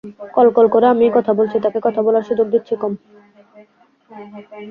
কলকল করে আমিই কথা বলছি, তাকে কথা বলার সুযোগ দিচ্ছি কম।